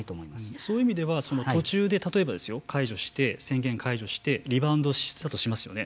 そういう意味では例えば途中で解除してリバウンドしたとしますよね。